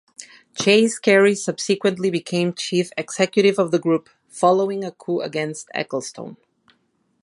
Chase Carey subsequently became chief executive of the Group, following a coup against Ecclestone.